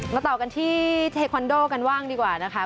ต่อกันที่เทคอนโดกันบ้างดีกว่านะคะ